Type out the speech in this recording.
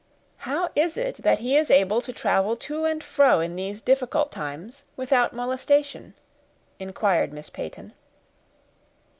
"How is it that he is able to travel to and fro in these difficult times, without molestation?" inquired Miss Peyton.